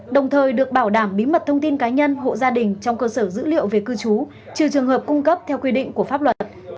đồng thời được bảo đảm bí mật thông tin cá nhân hộ gia đình trong cơ sở dữ liệu về cư trú trừ trường hợp cung cấp theo quy định của pháp luật